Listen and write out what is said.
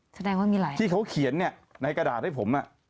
แสดงว่ามีหลายที่เขาเขียนเนี่ยในกระดาษให้ผม